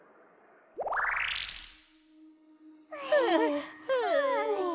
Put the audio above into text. はあはあ。